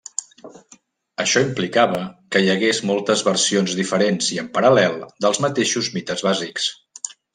Això implicava que hi hagués moltes versions diferents i en paral·lel dels mateixos mites bàsics.